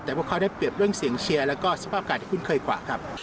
แต่พวกเขาได้เปรียบเรื่องเสียงเชียร์แล้วก็สภาพอากาศที่คุ้นเคยกว่าครับ